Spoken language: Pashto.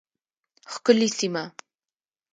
ښکلې سیمه